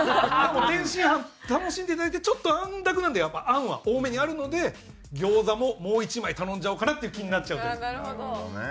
天津飯楽しんで頂いてちょっとあんだくなんであんは多めにあるので餃子ももう一枚頼んじゃおうかなっていう気になっちゃうという。